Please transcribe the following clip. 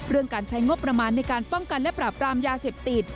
การใช้งบประมาณในการป้องกันและปราบปรามยาเสพติด